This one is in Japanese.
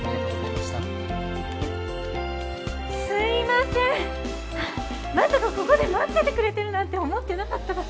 まさかここで待っててくれてるなんて思ってなかったから。